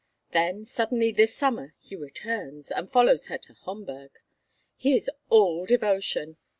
Then, suddenly, this summer, he returns, and follows her to Homburg. He is all devotion.